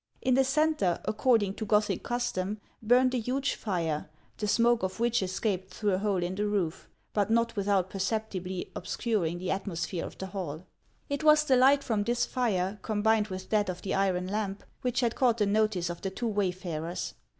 In the centre, according to Gothic custom, burned a huge fire, the smoke of which escaped through a hole in the roof, but not without per ceptibly obscuring the atmosphere of the hall. It was the light from this fire, combined with that of the iron lam}), which had caught the notice of the two wayfarers.